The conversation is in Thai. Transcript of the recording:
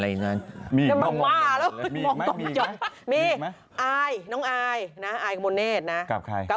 บัวเปลี่ยนชื่อเป็นอะไรเลยวะ